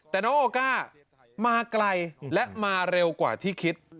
แต่น้องออก้ามาไกลและมาเร็วกว่าที่คิด